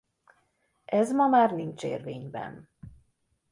Ez ma már nincs érvényben.